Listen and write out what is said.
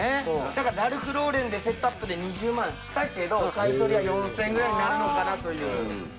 だからラルフ・ローレンでセットアップで２０万したけど、買い取りは４０００円ぐらいになるのかなと。